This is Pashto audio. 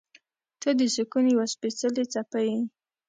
• ته د سکون یوه سپېڅلې څپه یې.